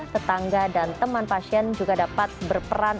tetangga dan teman pasien juga dapat berperan